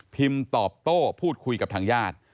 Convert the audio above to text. ตอบโต้พูดคุยกับทางญาติ